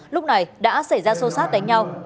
lúc này đã xảy ra sâu sát đánh nhau